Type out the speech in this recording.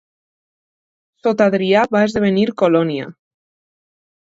Sota Adrià va esdevenir colònia.